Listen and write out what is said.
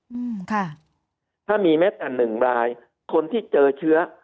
อืมค่ะถ้ามีเม็ดอันหนึ่งรายคนที่เจอเชื้อ